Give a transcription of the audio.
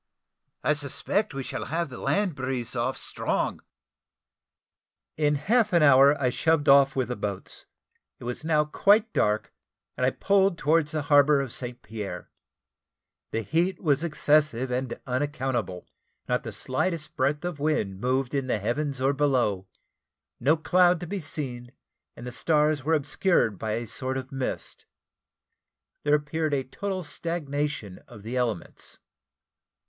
I suspect we shall have the land breeze off strong." In half an hour I shoved off with the boats. It was now quite dark, and I pulled towards the harbour of St. Pierre. The heat was excessive and unaccountable; not the slightest breath of wind moved in the heavens, or below; no clouds to be seen, and the stars were obscured by a sort of mist; there appeared a total stagnation of the elements.